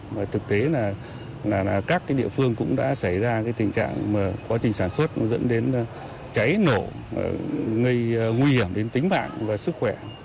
và thực tế là các cái địa phương cũng đã xảy ra cái tình trạng mà quá trình sản xuất nó dẫn đến cháy nổ nguy hiểm đến tính mạng và sức khỏe